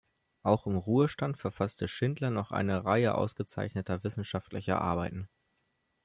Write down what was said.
Auch im Ruhestand verfasste Schindler noch eine Reihe ausgezeichneter wissenschaftlicher Arbeiten.